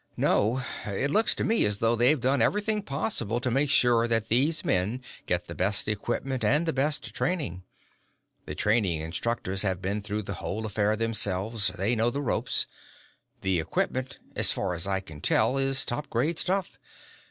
"No. It looks to me as though they've done everything possible to make sure that these men get the best equipment and the best training. The training instructors have been through the whole affair themselves they know the ropes. The equipment, as far as I can tell, is top grade stuff.